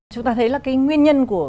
chúng ta thấy là cái nguyên nhân của